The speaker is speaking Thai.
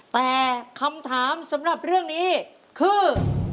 แต่คำถามสำหรับเรื่องนี้คือ